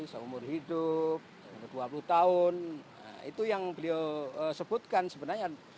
seumur hidup dua puluh tahun itu yang beliau sebutkan sebenarnya